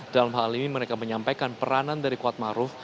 dalam hal ini mereka menyampaikan peranan dari kuat ma'ruf